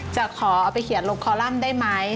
จะขอเอาไปเขียนลงคอลัมป์ได้ไหม